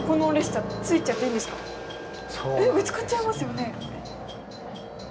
ぶつかっちゃいますよね？